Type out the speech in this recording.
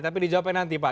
tapi dijawabkan nanti pak